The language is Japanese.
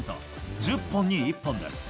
１０本に１本です。